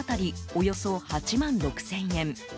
およそ８万６０００円。